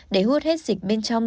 để hút hết dịch bên trong